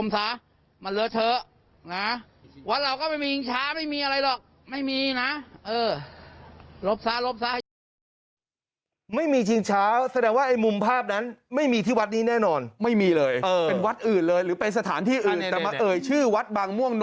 ท่านเจ้าวัดวัดบางม่วง